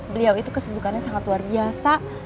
beliau itu kesibukannya sangat luar biasa